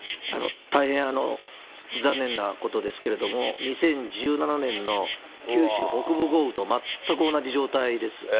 大変残念なことですけれども、２０１７年の九州北部豪雨と全く同じ状態です。